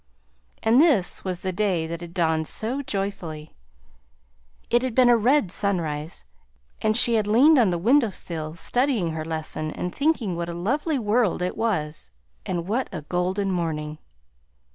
And this was the day that had dawned so joyfully! It had been a red sunrise, and she had leaned on the window sill studying her lesson and thinking what a lovely world it was. And what a golden morning!